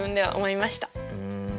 うん。